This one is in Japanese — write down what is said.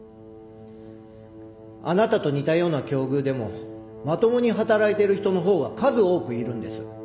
あなたと似たような境遇でもまともに働いてる人の方が数多くいるんです。